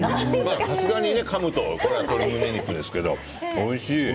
さすがにかむと鶏むね肉ですけれど、おいしい。